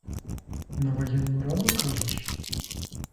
На воєнну раду, кажеш?